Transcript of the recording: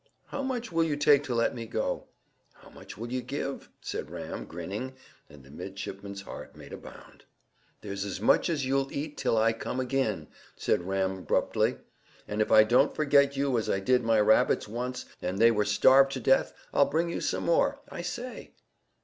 "How much will you take to let me go?" "How much will you give?" said Ram, grinning, and the midshipman's heart made a bound. "You shall have five pounds, if you'll let me go now, at once." "There's as much as you'll eat till I come agen," said Ram abruptly; "and if I don't forget you as I did my rabbits once, and they were starved to death, I'll bring you some more. I say!"